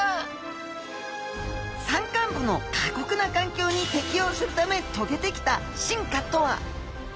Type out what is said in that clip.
山間部の過酷な環境に適応するためとげてきた進化とは？